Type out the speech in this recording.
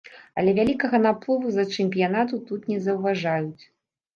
Але вялікага наплыву з-за чэмпіянату тут не заўважаюць.